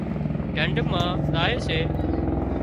ڍنڍ مان زائي سي